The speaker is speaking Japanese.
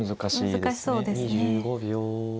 難しそうですね。